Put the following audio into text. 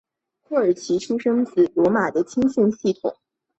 库尔奇出身自罗马的青训系统。